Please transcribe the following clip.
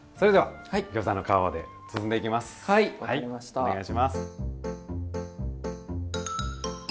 お願いします。